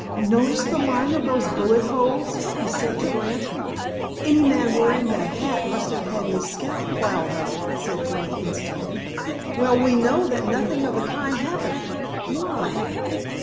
"Notice the line of those bullet holes," he said to Grant. "Any man wearing that hat must have had his scalp ploughed up," said Grant instantly. "Well, we know that nothing of the kind happened. Why?"